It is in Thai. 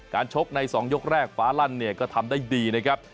ชกใน๒ยกแรกฟ้าลั่นเนี่ยก็ทำได้ดีนะครับ